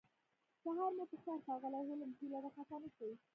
سهار مو پخیر ښاغلی هولمز هیله ده خفه نشئ